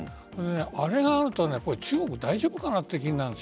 あれがあると中国、大丈夫かなという気になるんです。